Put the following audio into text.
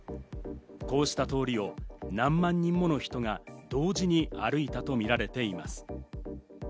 こうした通りを何万人もの人が同時に歩いたとみられています。